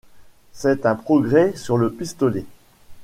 C’est un progrès sur le pistolet